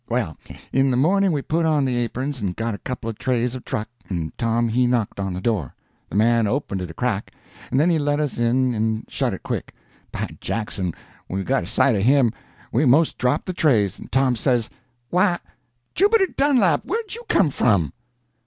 Well, in the morning we put on the aperns and got a couple of trays of truck, and Tom he knocked on the door. The man opened it a crack, and then he let us in and shut it quick. By Jackson, when we got a sight of him, we 'most dropped the trays! and Tom says: "Why, Jubiter Dunlap, where'd you come from?"